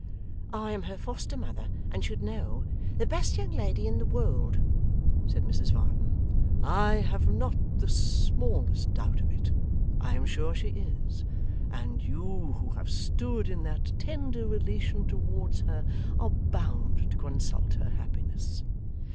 'I am her foster mother, and should know the best young lady in the world,' said Mrs Varden. 'I have not the smallest doubt of it. I am sure she is. And you, who have stood in that tender relation towards her, are bound to consult her happiness.